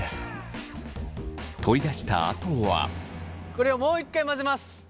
これをもう一回混ぜます。